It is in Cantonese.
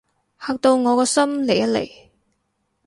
嚇到我個心離一離